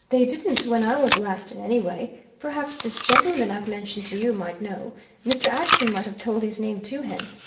They didn't when I was last in, anyway. Perhaps this gentleman I've mentioned to you might know Mr. Ashton might have told his name to him.